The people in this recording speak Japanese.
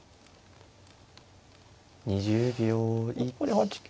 ２０秒。